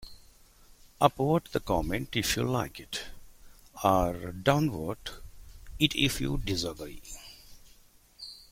Upvote the comment if you like it, or downvote it if you disagree.